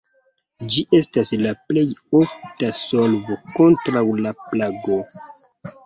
Ĝi estas la plej ofta solvo kontraŭ la plago.